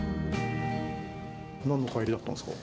なんの帰りだったんですか？